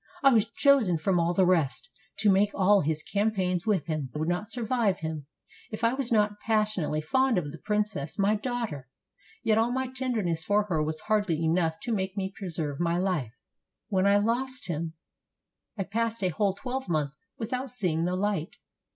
I was chosen from all the rest, to make all his campaigns with him; I would not survive him, if I was not passionately fond of the princess my daughter. Yet all my tenderness for her was hardly enough to make me preserve my life. When I lost him, 513 TURKEY I passed a whole twelvemonth without seeing the light.